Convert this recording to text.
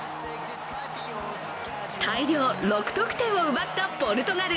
大量６得点を奪ったポルトガル。